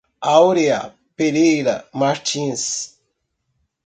Aurea Pereira Martins